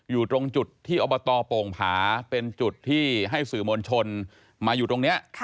อยู่ตรงจุดที่อบตโป่งผาเป็นจุดที่ให้สื่อมวลชนมาอยู่ตรงนี้